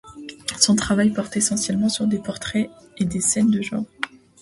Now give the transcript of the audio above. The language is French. Son travail porte essentiellement sur des portraits et des scènes de genre.